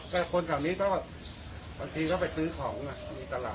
แต่คนตรงนี้ก็บางทีก็ไปซื้อของอ่ะมีตลาด